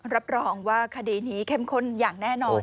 รับรองว่าคดีนี้เข้มข้นอย่างแน่นอน